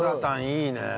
いいね。